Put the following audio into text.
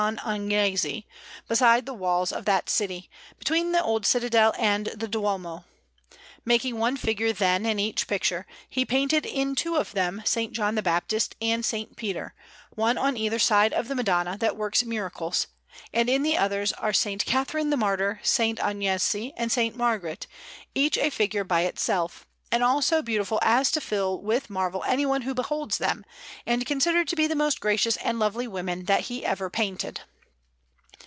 Agnese, beside the walls of that city, between the old Citadel and the Duomo. Making one figure, then, in each picture, he painted in two of them S. John the Baptist and S. Peter, one on either side of the Madonna that works miracles; and in the others are S. Catharine the Martyr, S. Agnese, and S. Margaret, each a figure by itself, and all so beautiful as to fill with marvel anyone who beholds them, and considered to be the most gracious and lovely women that he ever painted.